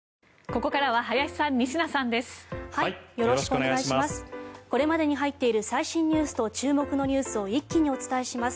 これまでに入っている最新のニュースと注目のニュースを一気にお伝えします。